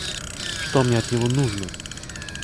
Что мне от него нужно!